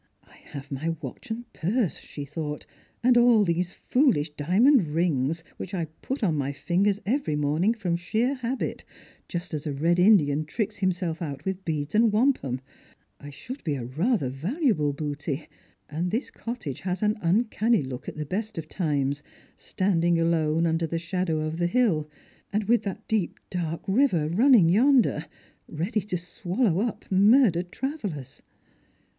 " I have my watch and purse," she thought, " and all these foolish diamond rings, which I put on my fingters every morning trom sheer habit, just as a red Indian tricks himself out with beads and wampum. I should be rather a valuable booty. And this cottage has an uncanny look at the best of times, standing alone, under the shadow of the hill, and with that deep dark river running yonder, ready to swallow up murdered travellers."